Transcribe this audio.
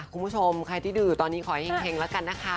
คุณผู้ชมใครที่ดื่อตอนนี้ขอให้เห็งแล้วกันนะคะ